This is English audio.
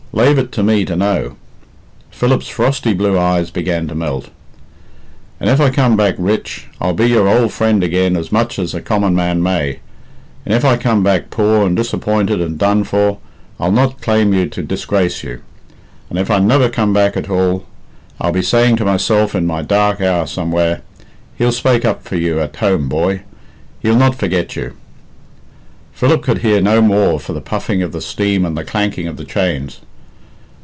Lave it to me to know." Philip's frosty blue eyes began to melt. "And if I come back rich, I'll be your ould friend again as much as a common man may; and if I come back poor and disappointed and done for, I'll not claim you to disgrace you; and if I never come back at all, I'll be saying to myself in my dark hour somewhere, 'He'll spake up for you at home, boy; he'll not forget you.'" Philip could hear no more for the puffing of the steam and the clanking of the chains.